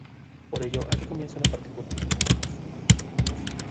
Por ello, aquí comienza una particular guerra entre Svetlana y Janice.